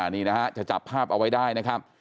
นี่นะฮะจะจับภาพเอาไว้ได้นะครับ